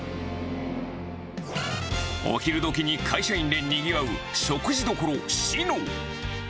お昼どきに会社員でにぎわう、食事処・志野。